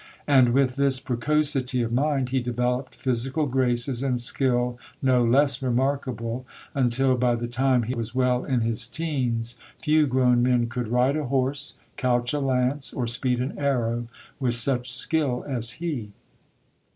And with this precocity of mind he developed physical graces and skill no less remarkable until, by the time he was well in his 'teens, few grown men could ride a horse, couch a lance, or speed an arrow with such skill as he.